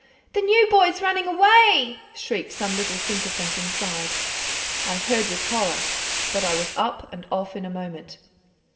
"The new boy's running away!" shrieked some little sycophant inside. I heard with horror, but I was up and off in a moment.